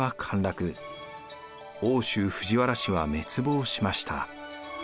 奥州藤原氏は滅亡しました。